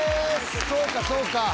そうかそうか！